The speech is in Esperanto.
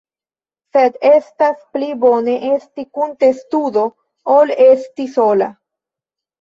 Sed estas pli bone esti kun testudo ol esti sola.